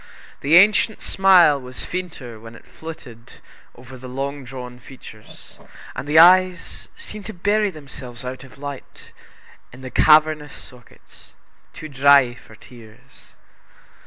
The ancient smile was fainter when it flitted over the long drawn features, and the eyes seemed to bury themselves out of sight in the cavernous sockets, too dry for tears.